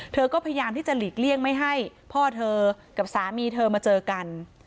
เธอก็พยายามที่จะหลีกเลี่ยงไม่ให้พ่อเธอกับสามีเธอมาเจอกัน